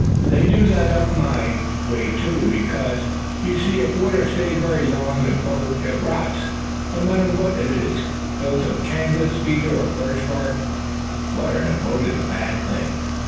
"They do that up my way too; because you see, if water stays very long in a boat it rots it. No matter what it's built of, canvas, cedar, or birch bark, water in a boat is a bad thing."